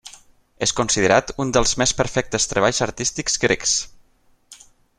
És considerat un dels més perfectes treballs artístics grecs.